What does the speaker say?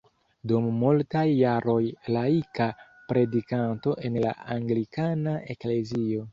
Dum multaj jaroj laika predikanto en la anglikana eklezio.